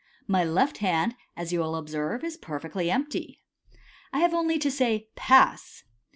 My left hand, as you will observe, is per fectly empty. I have only to say, ■ Pass